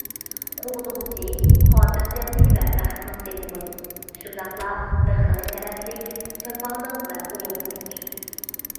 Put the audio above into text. ‹‹ قوغدىغۇچى›› خاتىرجەملىك ۋە بەختنىڭ سىمۋولى، شۇنداقلا بىر خىل شەرەپلىك، جاپالىق ۋە ئۇلۇغ بۇرچ.